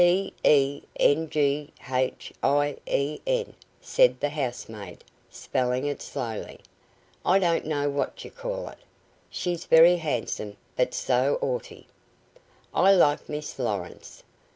"D'E n g h i e n," said the housemaid, spelling it slowly. "I don't know what you call it. She's very handsome, but so orty. I like Miss Lawrence.